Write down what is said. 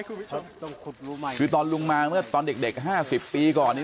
ค่ะคุณผู้ชมคือตอนลุงมาเมื่อตอนเด็กห้าสิบปีก่อน